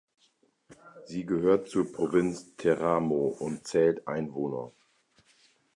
Sie gehört zur Provinz Teramo und zählt Einwohner.